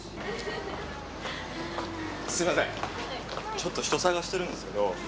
ちょっと人捜してるんですけど。